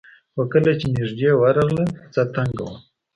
خو کله چې نژدې ورغلل کوڅه تنګه وه.